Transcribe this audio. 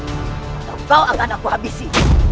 kau akan aku habisi